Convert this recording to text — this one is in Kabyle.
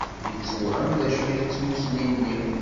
Yettewhem d acu n tmussni-nni.